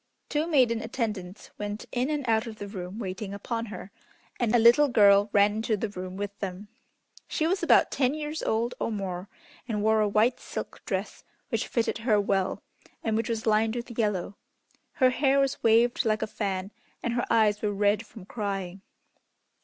Two maiden attendants went in and out of the room waiting upon her, and a little girl ran into the room with them. She was about ten years old or more, and wore a white silk dress, which fitted her well and which was lined with yellow. Her hair was waved like a fan, and her eyes were red from crying.